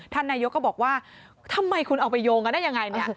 ท่านนายกก็บอกว่าทำไมคุณเอาไปโยงกันน่าอย่างไร